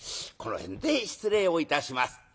この辺で失礼をいたします。